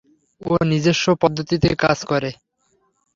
ও নিজেস্ব পদ্ধতিতে কাজ করে।